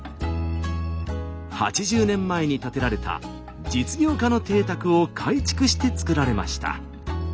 ８０年前に建てられた実業家の邸宅を改築して造られました。